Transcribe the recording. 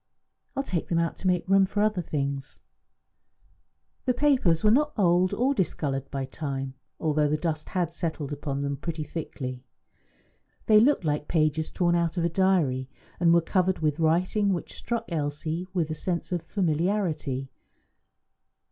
I will take them out to make room for other things." The papers were not old nor discoloured by time, although the dust had settled upon them pretty thickly. They looked like pages torn out of a diary, and were covered with writing which struck Elsie with a sense of familiarity.